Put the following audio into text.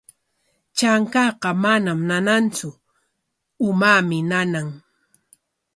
Trankaaqa manam nanantsu, umaami nana.